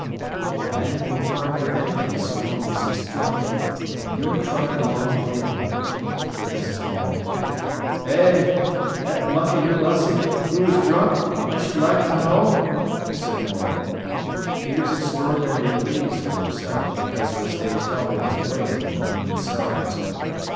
"A man will part with anything so long as he's drunk, and you're drunk along with him," said Mrs. Morel. "Eh, tha mucky little 'ussy, who's drunk, I sh'd like ter know?" said Morel. He was extraordinarily pleased with himself, because of his day's helping to wait in the Moon and Stars.